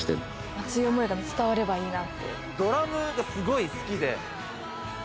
熱い想いが伝わればいいなっドラムがすごい好きで。